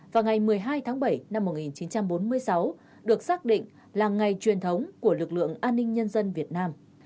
và ngày một mươi hai tháng bảy năm một nghìn chín trăm bốn mươi sáu được xác định là ngày truyền thống của lực lượng an ninh nhân dân việt nam